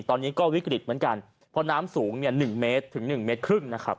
ตอนนี้ก็วิกฤตเหมือนกันเพราะน้ำสูง๑๑๕เมตร